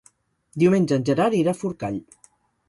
Diumenge en Gerard irà a Forcall.